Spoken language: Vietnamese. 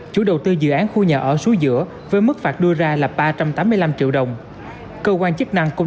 chủ đầu tư dự án khu nhà ở suối giữa với mức phạt đưa ra là ba trăm tám mươi năm triệu đồng cơ quan chức năng cũng